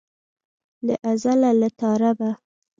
له ازله له تا ربه.